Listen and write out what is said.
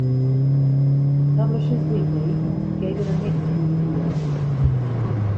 "Publishers Weekly" gave it a mixed review.